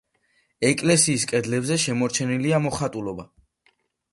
ეკლესიის კედლებზე შემორჩენილია მოხატულობა.